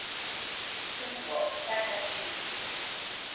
Tumgoʼo taka chi.